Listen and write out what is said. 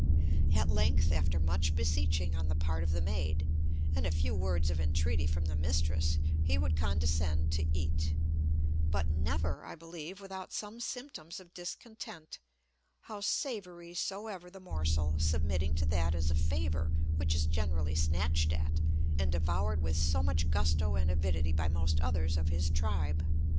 At length, after much beseeching on the part of the maid, and a few words of entreaty from the mistress, he would condescend to eat; but never, I believe, without some symptoms of discontent, how savoury soever the morsel, submitting to that as a favour which is generally snatched at and devoured with so much gusto and avidity by most others of his tribe.